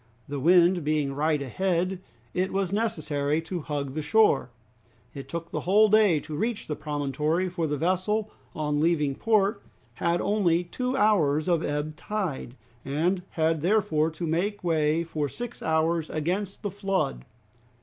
The wind being right ahead it was necessary to hug the shore. It took the whole day to reach the promontory, for the vessel on leaving port had only two hours of ebb tide and had therefore to make way for six hours against the flood.